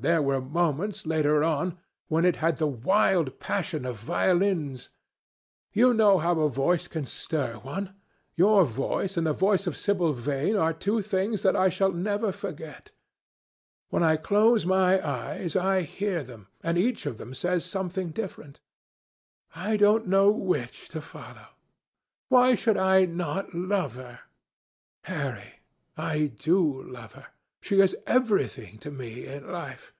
There were moments, later on, when it had the wild passion of violins. You know how a voice can stir one. Your voice and the voice of Sibyl Vane are two things that I shall never forget. When I close my eyes, I hear them, and each of them says something different. I don't know which to follow. Why should I not love her? Harry, I do love her. She is everything to me in life.